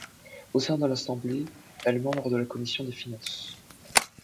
Au sein de l'Assemblée, elle est membre de la Commission des finances.